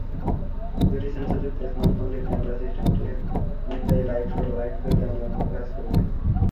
দুটি সেন্সরযুক্ত স্মার্টফোনটির ক্যামেরা সিস্টেমটি অনেকটাই লাইট্রোর লাইট-ফিল্ড ক্যামেরার মতো কাজ করবে।